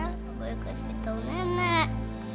aku kasih tau nenek